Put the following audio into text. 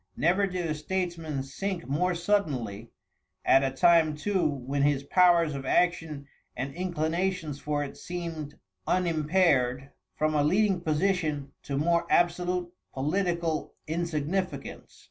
Never did a statesman sink more suddenly, at a time too when his powers of action and inclinations for it seemed unimpaired from a leading position to more absolute political insignificance.